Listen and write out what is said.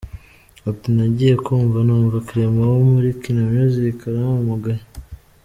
Ati “ Nagiye kumva numva Clement wo muri Kina music arampamagaye.